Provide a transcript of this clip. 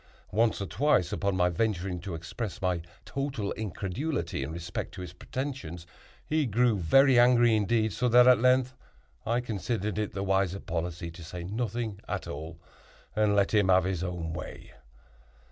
Once or twice, upon my venturing to express my total incredulity in respect to his pretensions, he grew very angry indeed, so that at length I considered it the wiser policy to say nothing at all, and let him have his own way.